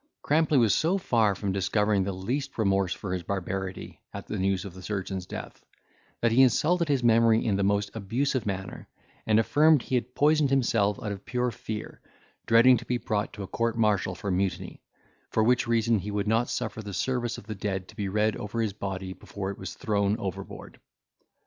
Crampley was so far from discovering the least remorse for his barbarity, at the news of the surgeon's death, that he insulted his memory in the most abusive manner, and affirmed he had poisoned himself out of pure fear, dreading to be brought to a court martial for mutiny; for which reason he would not suffer the service of the dead to be read over his body before it was thrown overboard.